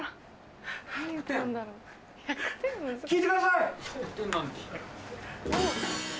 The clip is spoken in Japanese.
聴いてください！